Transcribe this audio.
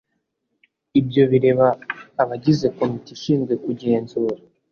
Ibyo bireba abagize Komite ishinzwe kugenzura.